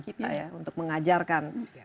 kita ya untuk mengajarkan